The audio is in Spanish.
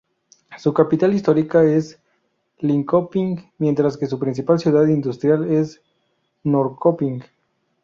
Su capital histórica es Linköping, mientras que su principal ciudad industrial es Norrköping.